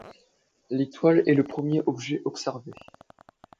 L'étoile est le premier objet observé.